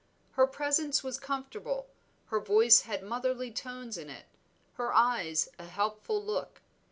Her presence was comfortable, her voice had motherly tones in it, her eyes a helpful look.